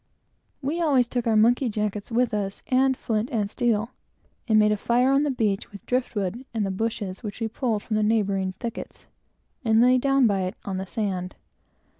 We always took our monkey jackets with us, and flint and steel, and made a fire on the beach with the driftwood and the bushes we pulled from the neighboring thickets, and lay down by it, on the sand.